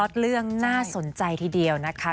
เรื่องน่าสนใจทีเดียวนะคะ